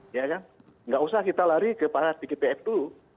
tidak usah kita lari ke parah di ktpf dulu